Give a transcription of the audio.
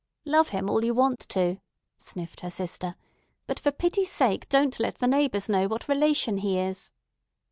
"Love him all you want to," sniffed her sister, "but for pity's sake don't let the neighbors know what relation he is."